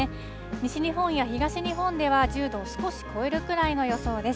西日本や東日本では１０度を少し超えるくらいの予想です。